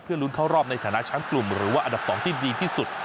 ลุ้นเข้ารอบในฐานะแชมป์กลุ่มหรือว่าอันดับ๒ที่ดีที่สุด